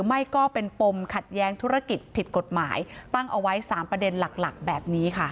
ไม่ก็เป็นปมขัดแย้งธุรกิจผิดกฎหมายตั้งเอาไว้๓ประเด็นหลักหลักแบบนี้ค่ะ